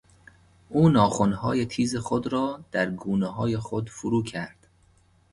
او ناخنهای تیز خود را در گونههای خود فرو کرد.